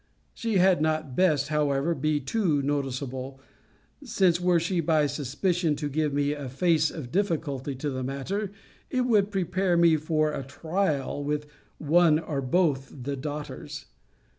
She had not best, however, be too notable: since, were she by suspicion to give me a face of difficulty to the matter, it would prepare me for a trial with one or both the daughters.